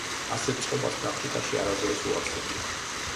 ასეთ წყობას პრაქტიკაში არასდროს უარსებია.